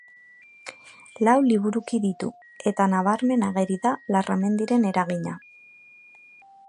Lau liburuki ditu, eta nabarmen ageri da Larramendiren eragina.